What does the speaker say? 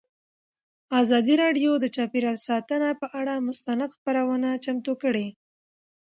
ازادي راډیو د چاپیریال ساتنه پر اړه مستند خپرونه چمتو کړې.